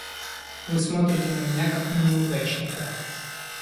Вы смотрите на меня как на неудачника!